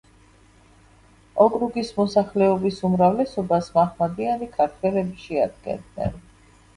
ოკრუგის მოსახლეობის უმრავლესობას მაჰმადიანი ქართველები შეადგენდნენ.